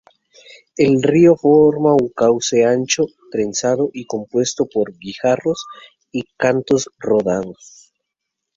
El río forma un cauce ancho, trenzado y compuesto por guijarros y cantos rodados.